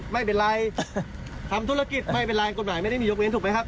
ไม่เป็นไรทำธุรกิจไม่เป็นไรกฎหมายไม่ได้มียกเว้นถูกไหมครับ